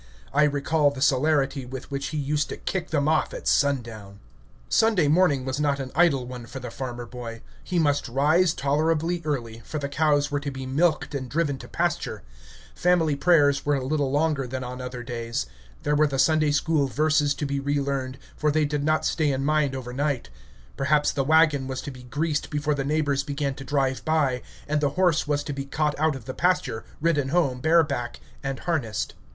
I recall the celerity with which he used to kick them off at sundown. Sunday morning was not an idle one for the farmer boy. He must rise tolerably early, for the cows were to be milked and driven to pasture; family prayers were a little longer than on other days; there were the Sunday school verses to be relearned, for they did not stay in mind over night; perhaps the wagon was to be greased before the neighbors began to drive by; and the horse was to be caught out of the pasture, ridden home bareback, and harnessed.